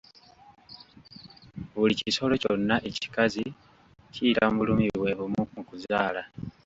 Buli kisolo kyonna ekikazi kiyita mu bulumi bwebumu mu kuzaala.